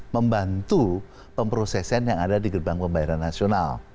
membantu pemprosesan yang ada di gerbang pembayaran nasional